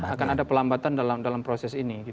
akan ada pelambatan dalam proses ini